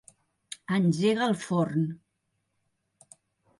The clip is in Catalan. Engega el forn.